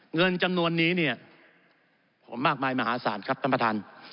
เงินจำนวนนี้เนี่ยผมมากมายมหาศาลครับท่านประธาน